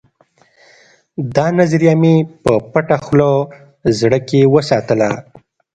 دا نظریه مې په پټه خوله زړه کې وساتله